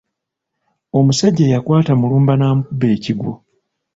Omusajja yakwata Mulumba n’amukuba ekigwo.